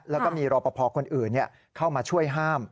แล้วก็มีรอปภคนอื่นเข้ามาช่วยห้าม